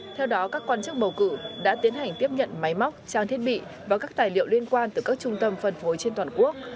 theo đó các quan chức bầu cử đã tiến hành tiếp nhận máy móc trang thiết bị và các tài liệu liên quan từ các trung tâm phân phối trên toàn quốc